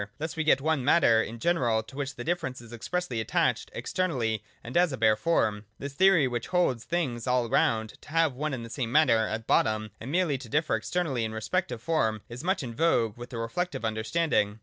Thus we get one Matter in general to which the difference is expressly attached externally and as a bare form. This theory which holds things all round to have one and the same matter at bottom, and merely to differ externally in respect of form, is much in vogue with the reflective understanding.